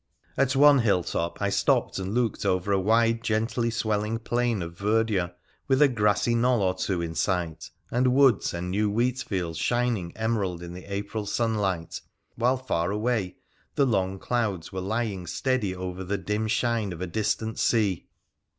At one hilltop I stopped and looked over a wide, gently swelling plain of verdure, with a grassy knoll or two in sight, and woods and new wheat fields shining emerald in i2 276 WONDERFUL ADVENTURES OF the April sunlight, while far away the long clouds were lying steady over the dim shine of a distant sea.